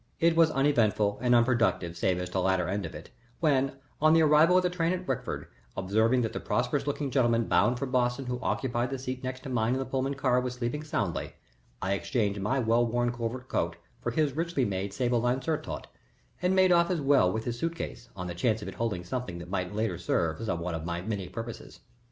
It was uneventful and unproductive save as to the latter end of it, when, on the arrival of the train at Wickford, observing that the prosperous looking gentleman bound for Boston who occupied the seat next mine in the Pullman car was sleeping soundly, I exchanged my well worn covert coat for his richly made, sable lined surtout, and made off as well with his suit case on the chance of its holding something that might later serve some one of my many purposes.